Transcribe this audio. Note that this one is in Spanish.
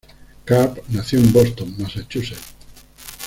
Karp nació en Boston, Massachusetts.